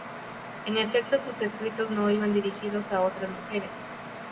En efecto, sus escritos no iban dirigidos a otras mujeres.